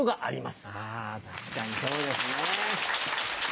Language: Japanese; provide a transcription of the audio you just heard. あ確かにそうですね。